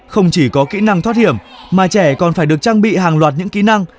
không chỉ có kỹ năng thoát hiểm mà trẻ còn phải được trang bị hàng loạt những kỹ năng